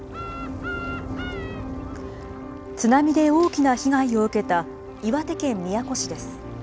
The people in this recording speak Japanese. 津波で大きな被害を受けた岩手県宮古市です。